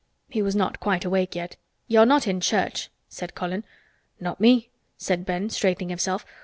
He was not quite awake yet. "You're not in church," said Colin. "Not me," said Ben, straightening himself.